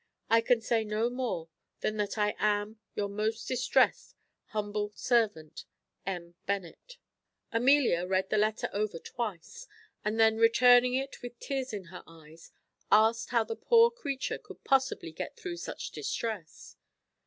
I can say no more than that I am Your most distressed humble servant, M. BENNET." Amelia read the letter over twice, and then returning it with tears in her eyes, asked how the poor creature could possibly get through such distress.